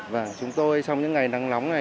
và chúng tôi trong những ngày nắng nóng này